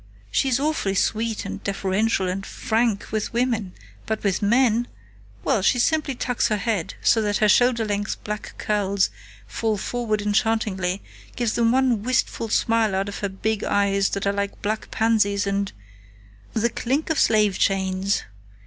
She's awfully sweet and deferential and 'frank' with women, but with men well, she simply tucks her head so that her shoulder length black curls fall forward enchantingly, gives them one wistful smile out of her big eyes that are like black pansies and the clink of slave chains!...